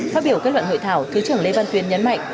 phát biểu kết luận hội thảo thứ trưởng lê văn tuyến nhấn mạnh